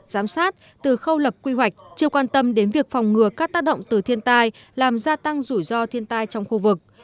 giám sát từ khâu lập quy hoạch chưa quan tâm đến việc phòng ngừa các tác động từ thiên tai làm gia tăng rủi ro thiên tai trong khu vực